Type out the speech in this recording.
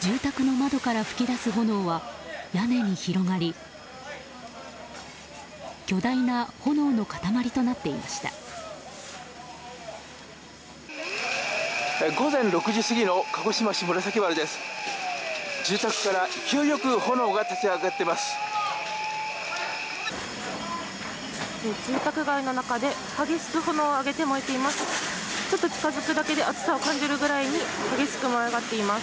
住宅から勢いよく炎が立ち上っています。